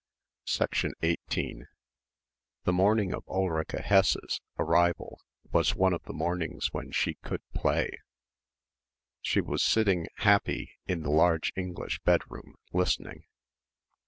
18 The morning of Ulrica Hesse's arrival was one of the mornings when she could "play." She was sitting, happy, in the large English bedroom, listening.